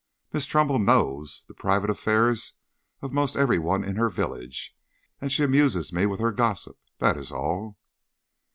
Miss Trumbull knows the private affairs of most every one in her village, and amuses me with her gossip; that is all."